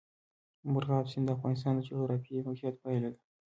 مورغاب سیند د افغانستان د جغرافیایي موقیعت پایله ده.